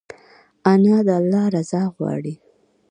انا د الله رضا غواړي